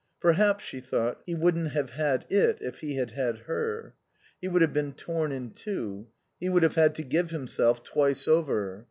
Perhaps, she thought, he wouldn't have had it if he had had her. He would have been torn in two; he would have had to give himself twice over.